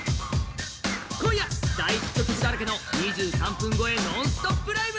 今夜、大ヒット曲だらけの２３分超えノンストップライブ。